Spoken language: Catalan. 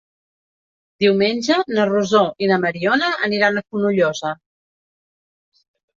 Diumenge na Rosó i na Mariona aniran a Fonollosa.